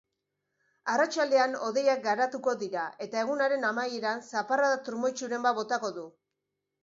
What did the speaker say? Arratsaldean hodeiak garatuko dira eta egunaren amaieran zaparrada trumoitsuren bat botako du.